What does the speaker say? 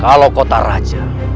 kalau kota raja